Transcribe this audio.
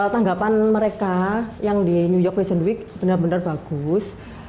tanggapan mereka yang di new york fashion week benar benar bagus